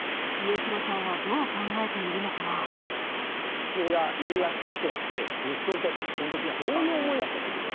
父親家康としては息子に対してこの時どういう思いだったと思います？